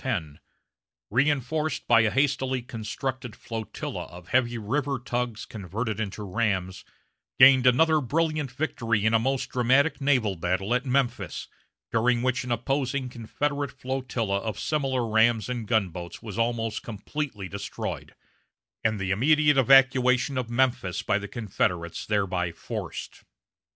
10, reinforced by a hastily constructed flotilla of heavy river tugs converted into rams, gained another brilliant victory in a most dramatic naval battle at Memphis, during which an opposing Confederate flotilla of similar rams and gunboats was almost completely destroyed, and the immediate evacuation of Memphis by the Confederates thereby forced.